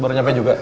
baru nyampe juga